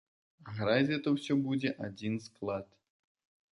А граць гэта ўсё будзе адзін склад.